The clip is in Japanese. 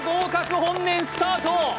本年スタート